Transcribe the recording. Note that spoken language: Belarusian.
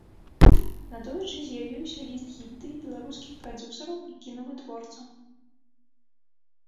Надоечы з'явіўся ліст гільдыі беларускіх прадзюсараў і кінавытворцаў.